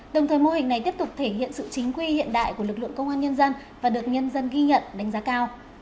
đồng thời mô hình này tiếp tục thể hiện sự chính quy hiện đại của lực lượng công an nhân dân và được nhân dân ghi nhận đánh giá cao